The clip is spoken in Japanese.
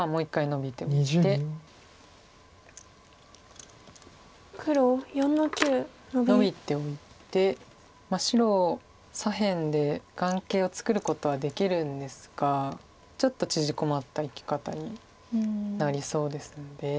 ノビておいて白左辺で眼形を作ることはできるんですがちょっと縮こまった生き方になりそうですので。